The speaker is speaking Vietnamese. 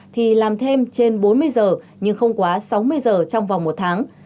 thì làm thêm trên bốn mươi giờ nhưng không quá sáu mươi giờ trong vòng một tháng